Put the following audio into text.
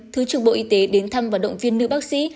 thứ trưởng bộ y tế đến thăm và động viên nữ bác sĩ